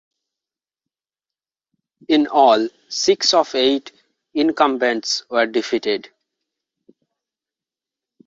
In all, six of eight incumbents were defeated.